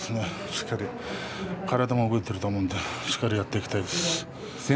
しっかり体も動いていると思うのでしっかりやっていきたいです。